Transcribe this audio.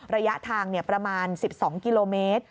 ระยะทางประมาณ๑๒กิโลเมตร